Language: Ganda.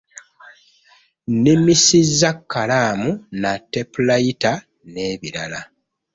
Nnimisizza kkalaamu na tepulayita n'ebirala.